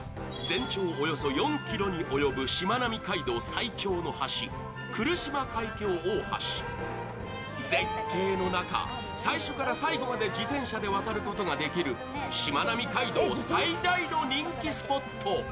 全長およそ４ｋｍに及ぶしまなみ海道最長の橋、来島海峡大橋、絶景の中最初から最後まで自転車で渡ることができるしまなみ海道最大の人気スポット。